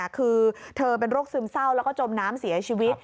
คือเธอเป็นโรคซึมเศร้าแล้วก็จมน้ำเสียชีวิต